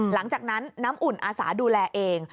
หลังจากนั้นน้ำอุ่นอาสาดูแลเอง